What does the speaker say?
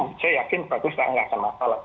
jadi saya yakin pak nus tidak akan masalah